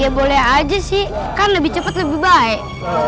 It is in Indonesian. ya boleh aja sih kan lebih cepat lebih baik